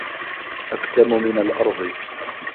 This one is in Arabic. أكتم من الأرض